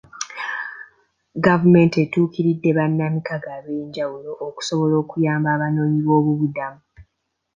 Gavumenti etuukiridde bannamikago ab'enjawulo okusobola okuyamba abanoonyiboobubudamu.